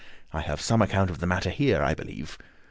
I have some account of the matter here, I believe."